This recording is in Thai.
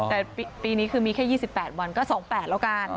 แต่ปีนี้คือมีแค่๒๘วันก็๒๘แล้วกัน